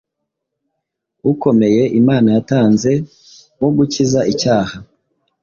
ukomeye Imana yatanze wo gukiza icyaha,